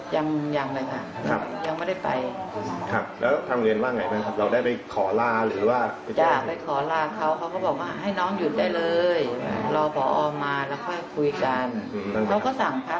ว่าจะคุยอะไรก็ไม่รู้ยายก็ยังไม่ได้คุยกับเขา